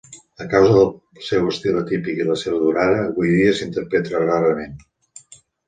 A causa del seu estil atípic i la seva durada, avui dia s'interpreta rarament.